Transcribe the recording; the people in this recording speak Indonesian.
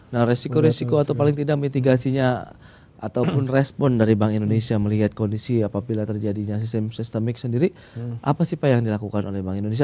nah resiko resiko atau paling tidak mitigasinya ataupun respon dari bank indonesia melihat kondisi apabila terjadinya sistem sistemik sendiri apa sih pak yang dilakukan oleh bank indonesia